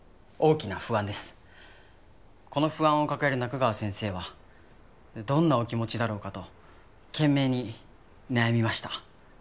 この不安を抱える仲川先生はどんなお気持ちだろうかと懸命に悩みました。